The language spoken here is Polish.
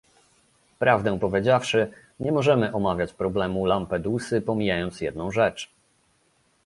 Prawdę powiedziawszy, nie możemy omawiać problemu Lampedusy, pomijając jedną rzecz